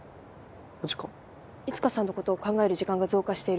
いつかさんの事を考える時間が増加している。